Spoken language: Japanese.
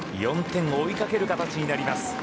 ４点を追いかける形になります。